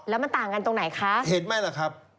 แล้วมันต่างกันตรงไหนคะเห็นไหมล่ะครับ